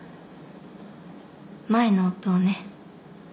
前の夫をね。